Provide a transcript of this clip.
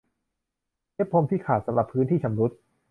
เย็บพรมที่ขาดสำหรับพื้นที่ชำรุด